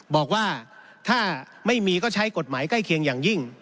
บอกว่าถ้าไม่มีก็ใช้กฎหมายใกล้เคียงอย่างยิ่ง